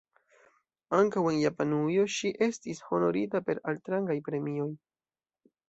Ankaŭ en Japanujo ŝi estis honorita per altrangaj premioj.